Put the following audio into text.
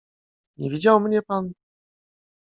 Nie widział mnie pan?